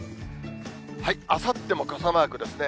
あさっても傘マークですね。